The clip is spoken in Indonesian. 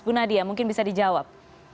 bu nadia mungkin bisa dijawab